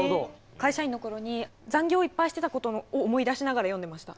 会社員の頃に残業をいっぱいしてたことを思い出しながら読んでました。